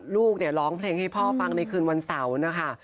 ลูกเนี่ยร้องเพลงให้พ่อฟังในคืนวันเสาร์นะคะ